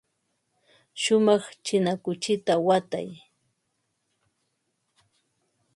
Shumaq china kuchita watan.